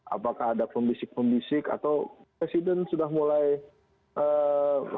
apakah ada pembisik pembisik atau presiden sudah mulai khawatir dengan indeksnya